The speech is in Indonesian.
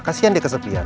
kasian dia kesepian